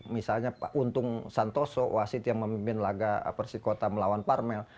misalnya untung santoso wasit yang memimpin laga persikota melawan parmel